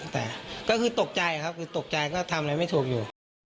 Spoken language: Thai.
แต่ก็คือตกใจครับคือตกใจก็ทำอะไรไม่ถูกอยู่